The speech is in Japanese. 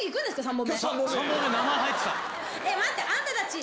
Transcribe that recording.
待って！あんたたち。